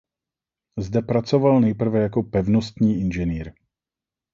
Zde pracoval nejprve jako pevnostní inženýr.